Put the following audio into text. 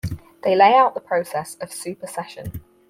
They lay out the process of supersession.